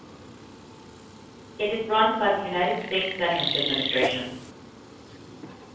It is run by the United States Veterans Administration.